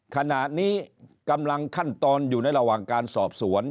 ขณะนี้กำลังขั้นตอนอยู่ในระหว่างการสอบสวน